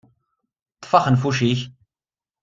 Ṭṭef axenfuc-ik!